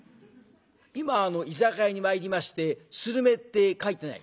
今居酒屋に参りましてスルメって書いてない。